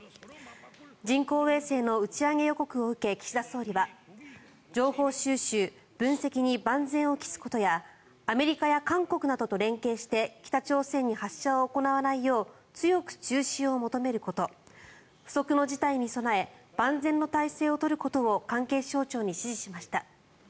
人工衛星の打ち上げ予告を受け岸田総理は情報収集・分析に万全を期すことやアメリカや韓国などと連携して北朝鮮に発射を行わないよう強く中止を求めること不測の事態に備え万全の態勢を取ることを関係省庁に指示しました。